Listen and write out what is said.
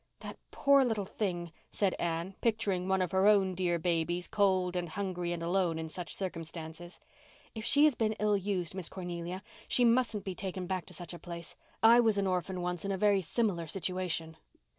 "The poor little thing," said Anne, picturing one of her own dear babies, cold and hungry and alone in such circumstances. "If she has been ill used, Miss Cornelia, she mustn't be taken back to such a place. I was an orphan once in a very similar situation."